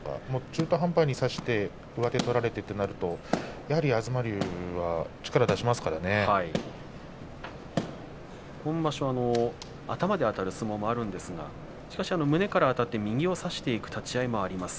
中途半端に差して上手を取られてとなるとやはり東龍が今場所、頭であたる相撲があるんですがしかし胸からあたって右を差していく立ち合いもあります。